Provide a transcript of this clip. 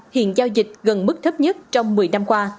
hiện giao dịch gần mức thấp nhất trong một mươi năm qua